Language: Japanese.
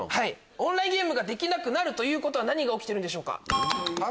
オンラインゲームができなくなるって何が起きてるんでしょうか？